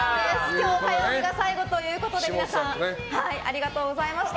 今日火曜日が最後ということで皆さんありがとうございました。